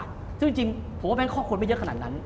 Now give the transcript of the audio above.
ที่จริงจริงเพราะว่าแบงค์คลอกคนไม่เยอะขนาดนั้น